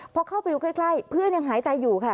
พอเข้าไปดูใกล้เพื่อนยังหายใจอยู่ค่ะ